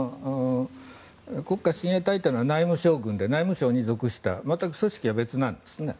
国家親衛隊というのは内務省軍で内務省に属した全く組織は別なんですね。